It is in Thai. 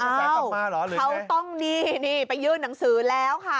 อ้าวไปยื่นนักนังสือแล้วค่ะ